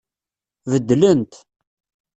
Beddlent.